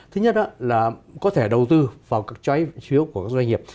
thứ nhất là có thể đầu tư vào các trái phiếu của các doanh nghiệp